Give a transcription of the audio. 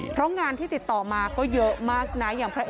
เพราะงานที่ติดต่อมาก็เยอะมากนะ